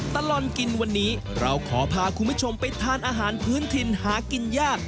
ตลอดกินวันนี้เราขอพาคุณผู้ชมไปทานอาหารพื้นถิ่นหากินยาก